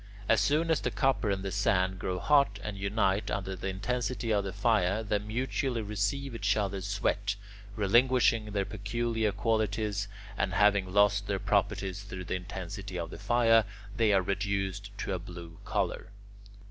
As soon as the copper and the sand grow hot and unite under the intensity of the fire, they mutually receive each other's sweat, relinquishing their peculiar qualities, and having lost their properties through the intensity of the fire, they are reduced to a blue colour.